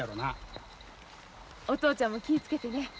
お父ちゃんも気ぃ付けてね。